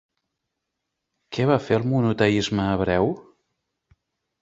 Què va fer el monoteisme hebreu?